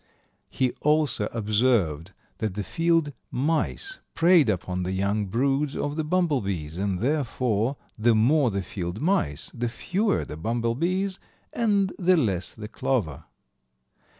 He also observed that the field mice preyed upon the young broods of the bumblebees, and, therefore, the more the field mice, the fewer the bumblebees and the less the clover.